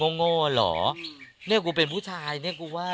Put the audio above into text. โง่เหรอเนี่ยกูเป็นผู้ชายเนี่ยกูว่า